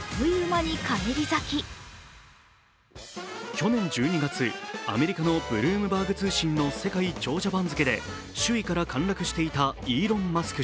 去年１２月、アメリカのブルームバーグ通信の世界長者番付で首位から陥落していたイーロン・マスク